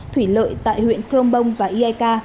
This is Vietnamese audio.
thủy lợi tại huyện crong bông và iek